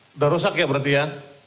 sudah rusak ya berarti ya